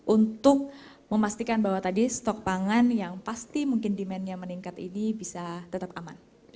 untuk memastikan bahwa tadi stok pangan yang pasti mungkin demandnya meningkat ini bisa tetap aman